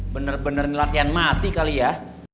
bener bener latihan mati kali ya